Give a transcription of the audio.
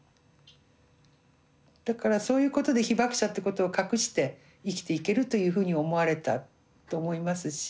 だからそういうことで被爆者ってことを隠して生きていけるというふうに思われたと思いますし。